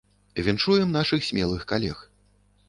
Віншуем нашых смелых калег.